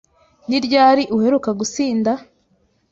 Ni ryari uheruka gusinda?